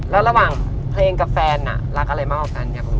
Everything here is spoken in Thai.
แล้วระหว่างเพลงกับแฟนรักกันอะไรกันอยากรู้